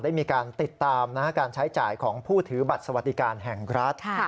ได้มีการติดตามการใช้จ่ายของผู้ถือบัตรสวัสดิการแห่งรัฐ